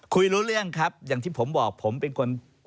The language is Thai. คุยรู้เรื่องครับอย่างที่ผมบอก